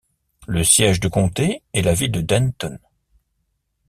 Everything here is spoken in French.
Le siège de comté est la ville de Denton.